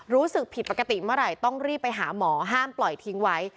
รู้สึกผิดปกติเมื่อไหร่ต้องรีบไปหาหมอห้ามปล่อยทิ้งไว้